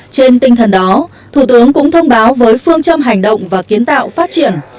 trên tinh thần đó thủ tướng cũng thông báo với phương châm hành động và kiến tạo phát triển